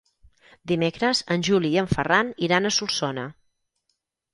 Dimecres en Juli i en Ferran iran a Solsona.